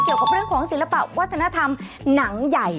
เกี่ยวกับเรื่องของศิลปะวัฒนธรรมหนังใหญ่